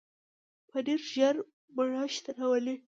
پنېر ژر مړښت راولي.